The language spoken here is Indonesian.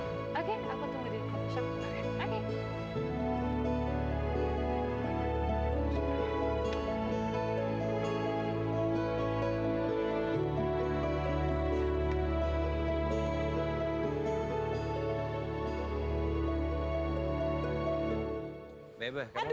oke aku tunggu di coffee shop sebentar ya